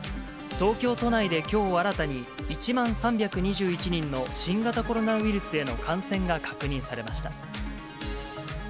東京都内できょう新たに、１万３２１人の新型コロナウイルスへの感染が確認されました。